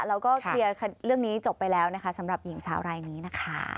แล้วก็เคลียร์เรื่องนี้จบไปแล้วนะคะสำหรับหญิงสาวรายนี้นะคะ